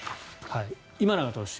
今永投手。